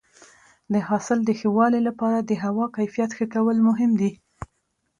د حاصل د ښه والي لپاره د هوا کیفیت ښه کول مهم دي.